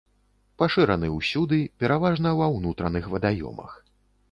Пашыраны ўсюды, пераважна ва ўнутраных вадаёмах.